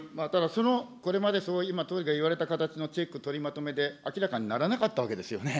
それまで総理が言われたチェック、取りまとめで明らかにならなかったわけですよね。